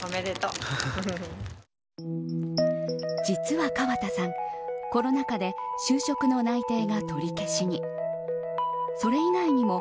実は川田さんコロナ禍で就職の内定が取り消しに。